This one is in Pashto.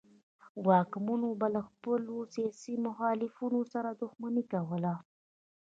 واکمنو به له خپلو سیاسي مخالفینو سره دښمني کوله.